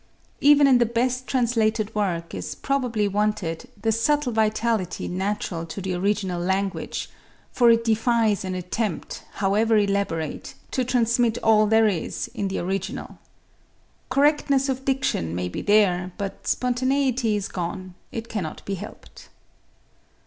Even in the best translated work is probably wanted the subtle vitality natural to the original language, for it defies an attempt, however elaborate, to transmit all there is in the original. Correctness of diction may be there, but spontaneity is gone; it cannot be helped.